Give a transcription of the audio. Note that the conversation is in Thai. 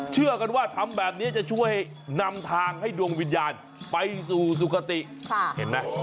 เชื่อกันว่าทำแบบนี้จะช่วยนำทางให้ดวงวิญญาณไปสู่สุขติเห็นไหม